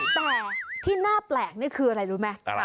แต่ที่น่าแปลกนี่คืออะไรรู้ไหม